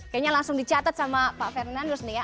kayaknya langsung dicatat sama pak fernandus nih ya